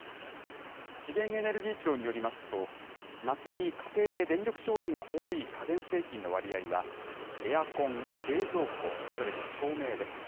資源エネルギー庁によりますと、夏に家庭で電力消費が多い家電製品の割合は、エアコン、冷蔵庫、それに照明です。